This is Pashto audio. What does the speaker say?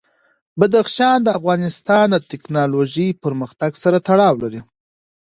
بدخشان د افغانستان د تکنالوژۍ پرمختګ سره تړاو لري.